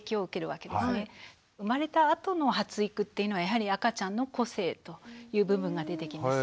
生まれたあとの発育っていうのはやはり赤ちゃんの個性という部分が出てきます。